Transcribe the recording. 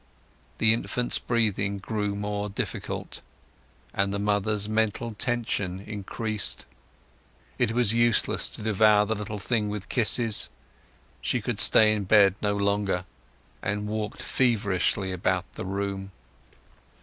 The infant's breathing grew more difficult, and the mother's mental tension increased. It was useless to devour the little thing with kisses; she could stay in bed no longer, and walked feverishly about the room.